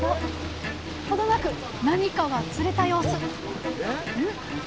程なく何かが釣れた様子！